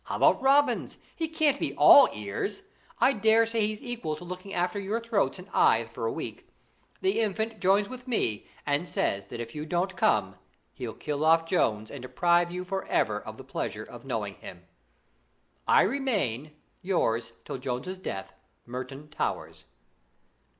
How about Robins? He can't be all ears. I daresay he's equal to looking after your throats and eyes for a week. The Infant joins with me, and says that if you don't come he'll kill off Jones, and deprive you for ever of the pleasure of knowing him. "I remain, "Yours till Jones's death, "MERTON TOWERS.